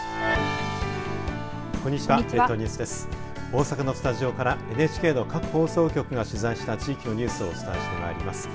大阪のスタジオからＮＨＫの各放送局が取材した地域のニュースをお伝えしてまいります。